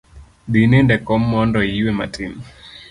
Dhi nind e kom mondo iyue matin